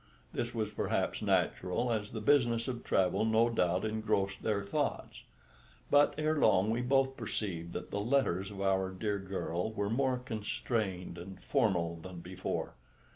This was perhaps natural, as the business of travel no doubt engrossed their thoughts. But ere long we both perceived that the letters of our dear girl were more constrained and formal than before.